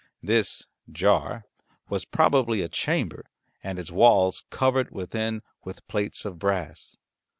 This "jar" was probably a chamber and its walls covered within with plates of brass.